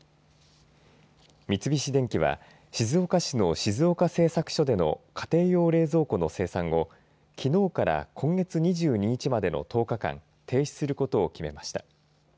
三菱電機は静岡市の静岡製作所での家庭用冷蔵庫の生産をきのうから今月２２日までの１０日間停止することを決めました。